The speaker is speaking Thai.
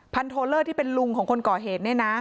โทเลอร์ที่เป็นลุงของคนก่อเหตุเนี่ยนะ